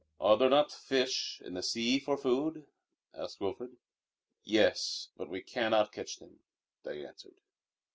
"Are there not fish in the sea for food?" asked Wilfrid. "Yes, but we cannot catch them," they answered.